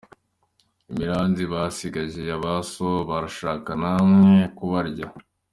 Imiranzi basigaje ya ba so, barashaka na mwe kubarya.